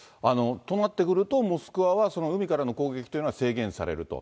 となってくると、モスクワは海からの攻撃というのは制限されると。